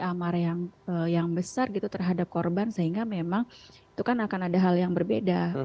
amar yang besar gitu terhadap korban sehingga memang itu kan akan ada hal yang berbeda